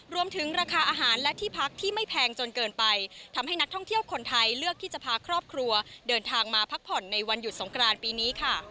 รวมถึงราคาอาหารและที่พักที่ไม่แพงจนเกินไปทำให้นักท่องเที่ยวคนไทยเลือกที่จะพาครอบครัวเดินทางมาพักผ่อนในวันหยุดสงกรานปีนี้ค่ะ